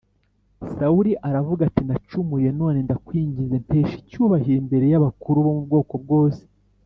Sawuli aravuga ati nacumuye None ndakwinginze mpesha icyubahiro imbere y abakuru bo mu bwoko bwose